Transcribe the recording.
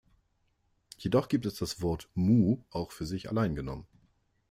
Jedoch gibt es das Wort "Mu" auch für sich allein genommen.